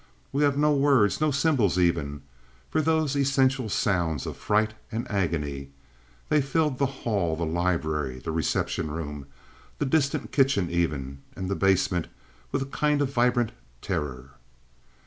We have no words, no symbols even, for those essential sounds of fright and agony. They filled the hall, the library, the reception room, the distant kitchen even, and basement with a kind of vibrant terror.